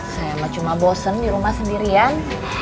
saya cuma bosen di rumah sendirian